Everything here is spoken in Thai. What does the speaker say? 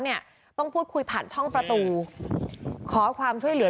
เนี่ยต้องพูดคุยผ่านช่องประตูขอความช่วยเหลือ